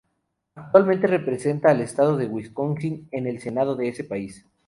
Actualmente representada al estado de Wisconsin en el Senado de ese país.